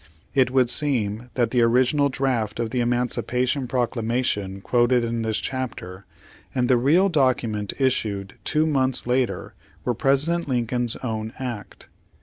It would seem that the original draft of the emancipation proclamation quoted in this chapter, and the real document issued two months later were President Lincoln's own act.